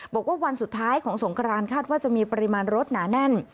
บอกว่าวันสุดท้ายของสงครานคาดว่าจะมีปริมาณรถหนาแน่น